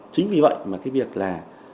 chính vì vậy mà cái việc là